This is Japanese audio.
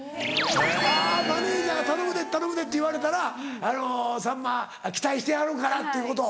あマネジャーが「頼むで頼むでって言われたらさんま期待してはるから」っていうことを。